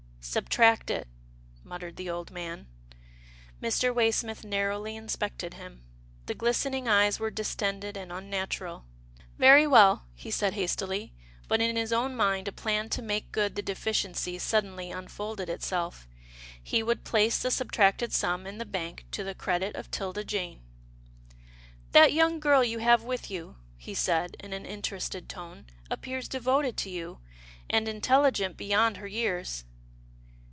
" Subtract it," muttered the old man. Mr. Waysmith narrowly inspected him. The glistening eyes were distended and unnatural. " Very well," he said hastily, but in his own mind a plan to make good the deficiency suddenly un folded itself. He would place the subtracted sum in the bank to the credit of 'Tilda Jane. " That young girl you have with you," he said in an interested tone, " appears devoted to you, and intelligent beyond her years."